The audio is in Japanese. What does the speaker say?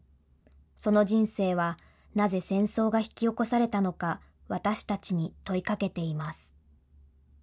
その人生は、なぜ戦争が引き起こされたのか、私たちに問いかけています。